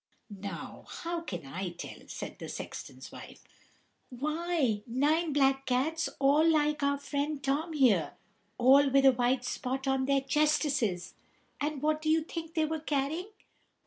"Now, how can I tell?" said the sexton's wife. "Why, nine black cats all like our friend Tom here, all with a white spot on their chestesses. And what do you think they were carrying?